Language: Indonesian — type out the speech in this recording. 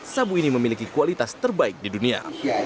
sabu ini memiliki kualitas terbaik di dunia